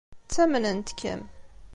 Ttamnent-kem.